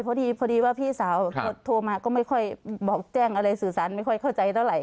พอดีว่าพี่สาวโทรมาก็ไม่ค่อยบอกแจ้งอะไรสื่อสารไม่ค่อยเข้าใจเท่าไห